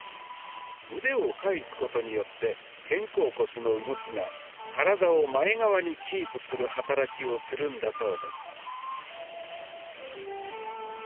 腕を返すことによって肩甲骨の動きが体を前側にキープする働きをするんだそうです。